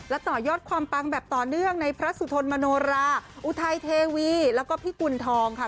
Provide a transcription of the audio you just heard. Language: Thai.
และต่อยอดความปังแบบต่อเนื่องในพระสุทนมโนราอุทัยเทวีแล้วก็พี่กุณฑองค่ะ